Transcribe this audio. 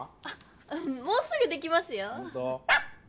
あもうすぐできますよ。